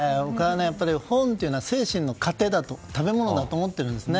本というのは精神の糧、食べ物だと思っているんですね。